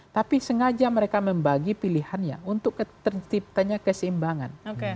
tapi sengaja mereka membagi pilihannya untuk ternyata tanya keseimbangan